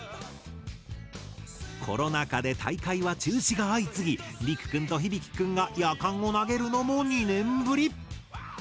コロナ禍で大会は中止が相次ぎりくくんとひびきくんがヤカンを投げるのも２年ぶり。